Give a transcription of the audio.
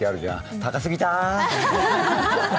高すぎた。